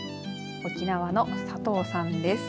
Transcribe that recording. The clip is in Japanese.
沖縄の佐藤さんです。